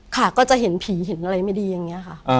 ค่ะก็จะเห็นผีเห็นอะไรไม่ดีอย่างนี้ค่ะ